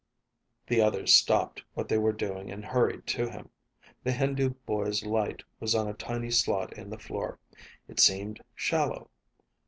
The others stopped what they were doing and hurried to him. The Hindu boy's light was on a tiny slot in the floor. It seemed shallow.